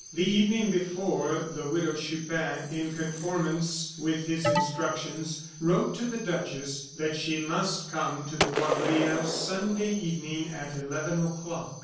The evening before the Widow Chupin, in conformance with his instructions, wrote to the duchess that she must come to the Poivriere Sunday evening at eleven o'clock.